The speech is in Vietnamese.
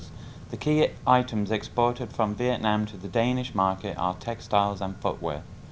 các mặt hàng xuất khẩu chủ lực của việt nam vào thị trường đan mạch là diệt may và ra giày